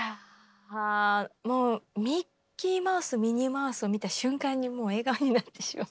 もうミッキーマウスミニーマウスを見た瞬間にもう笑顔になってしまう。